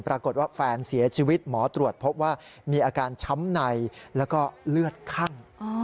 ปรากฏว่าแฟนเสียชีวิตหมอตรวจพบว่ามีอาการช้ำในแล้วก็เลือดคั่ง